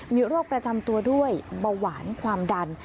มีโรคประจำตัวด้วยเบาหวานความดัน